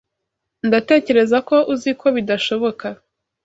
Ndatekereza ko uzi ko bidashoboka.